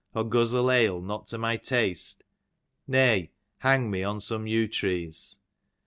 Or guzzle ale not to my taste? Way, hang me on some yew trees.